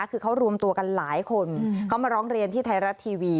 คือเขารวมตัวกันหลายคนเขามาร้องเรียนที่ไทยรัฐทีวี